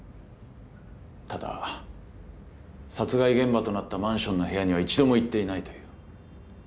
ただ殺害現場となったマンションの部屋には一度も行っていないという。